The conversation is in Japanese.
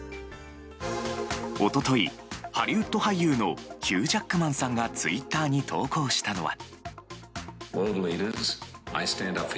一昨日、ハリウッド俳優のヒュー・ジャックマンさんがツイッターに投稿したのは。